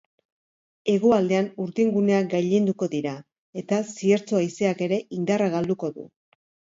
Hegoaldean, urdinguneak gailenduko dira, eta ziertzo haizeak ere indarra galduko du.